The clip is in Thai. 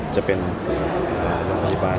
จะเป็นรับดับชุมชนบ้าง